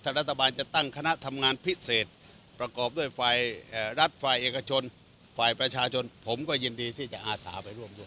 รัฐบาลจะตั้งคณะทำงานพิเศษประกอบด้วยฝ่ายรัฐฝ่ายเอกชนฝ่ายประชาชนผมก็ยินดีที่จะอาสาไปร่วมด้วย